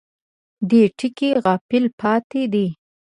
دې ټکي غافل پاتې دي.